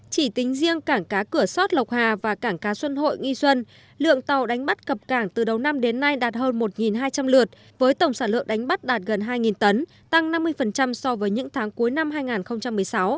chỉ tính riêng cảng cá cửa sót lộc hà và cảng cá xuân hội nghi xuân lượng tàu đánh bắt cập cảng từ đầu năm đến nay đạt hơn một hai trăm linh lượt với tổng sản lượng đánh bắt đạt gần hai tấn tăng năm mươi so với những tháng cuối năm hai nghìn một mươi sáu